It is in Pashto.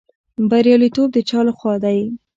بریالیتوب د چا لخوا دی؟